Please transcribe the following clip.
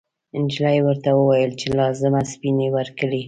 نجلۍ ورته وویل چې لازمه سپینه ورکړي.